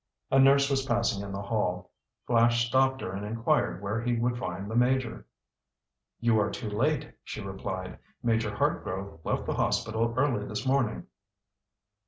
A nurse was passing in the hall. Flash stopped her and inquired where he would find the Major. "You are too late," she replied. "Major Hartgrove left the hospital early this morning."